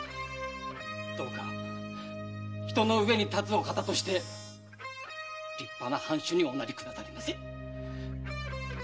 どうか人の上に立つお方として立派な藩主におなりくださりませ。